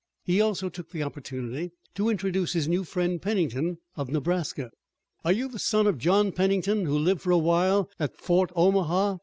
He also took the opportunity to introduce his new friend Pennington, of Nebraska. "Are you the son of John Pennington, who lived for a little while at Fort Omaha?"